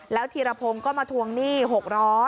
แล้วธีรพงศ์ก็มาทวงหนี้๖๐๐